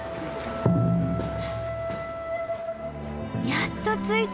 やっと着いた！